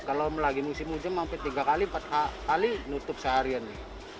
kalau lagi musim hujan hampir tiga kali empat kali nutup seharian nih